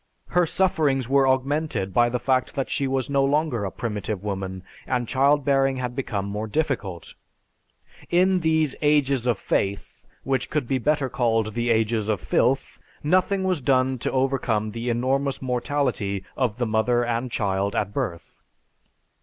Her sufferings were augmented by the fact that she was no longer a primitive woman and child bearing had become more difficult. In these "Ages of Faith" which could be better called the "Ages of Filth," nothing was done to overcome the enormous mortality of the mother and child at birth.